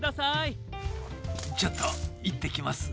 ちょっといってきます。